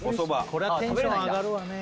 これはテンション上がるわね